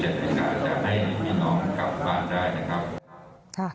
จะให้พี่น้องกลับบ้านได้นะครับ